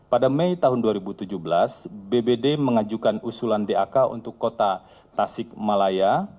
pada mei tahun dua ribu tujuh belas bbd mengajukan usulan dak untuk kota tasik malaya